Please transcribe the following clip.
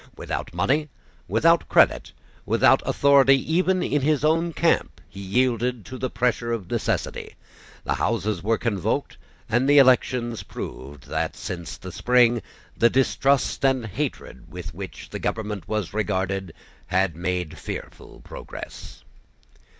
Without money, without credit, without authority even in his own camp, he yielded to the pressure of necessity. The Houses were convoked; and the elections proved that, since the spring, the distrust and hatred with which the government was regarded had made fearful progress.